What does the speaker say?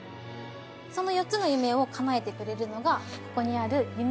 その４つの夢をかなえてくれるのがここにある夢